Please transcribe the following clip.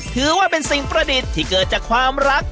ถือว่าเป็นสิ่งประดิษฐ์ที่เกิดจากความรัก